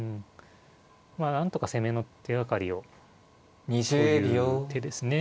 まあなんとか攻めの手がかりをという手ですね。